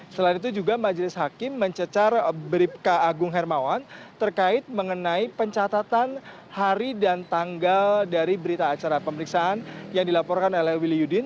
selain itu juga majelis hakim mencecar bribka agung hermawan terkait mengenai pencatatan hari dan tanggal dari berita acara pemeriksaan yang dilaporkan oleh wil yudin